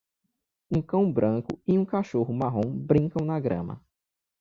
Um cão branco e um cachorro marrom brincam na grama